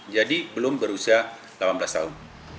jadi belum berusia delapan belas tahun